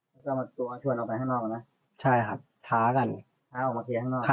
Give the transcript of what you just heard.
ใช่ครับท้ากันผ่านแชทนั้นเลยครับ